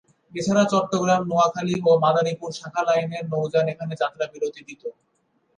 এছাড়া চট্টগ্রাম, নোয়াখালী ও মাদারিপুর শাখা লাইনের নৌযান এখানে যাত্রা বিরতি দিত।